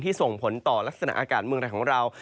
ส่งผลต่อลักษณะอากาศเมืองไทยของเรา